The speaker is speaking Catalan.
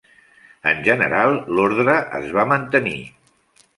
En general l'ordre es va mantenir.